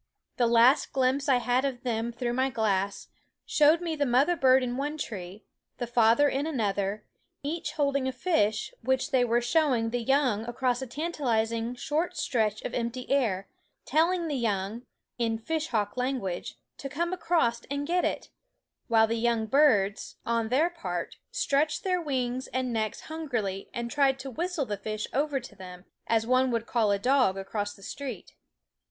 The last glimpse I had of them through my glass showed me the mother bird in one tree, the father in another, each holding a fish, which they were showing the young across a tan talizing short stretch of empty air, telling the young, in fishhawk language, to come across and get it; while the young birds, on their part, stretched wings and necks hungrily and tried to whistle the fish over to them, as one would call a dog across the street.